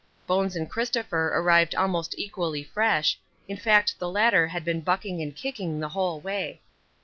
Bones and Christopher arrived almost equally fresh, in fact the latter had been bucking and kicking the whole way.